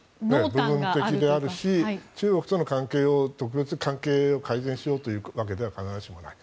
部分的であるし中国との関係を改善しようというわけでは必ずしもない。